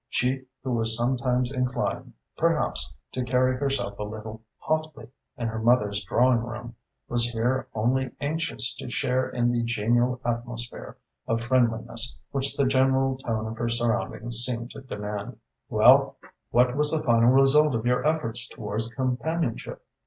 She who was sometimes inclined, perhaps, to carry herself a little haughtily in her mother's drawing room, was here only anxious to share in the genial atmosphere of friendliness which the general tone of her surroundings seemed to demand. "Well, what was the final result of your efforts towards companionship?"